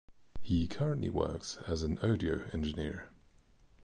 He currently works as an audio engineer.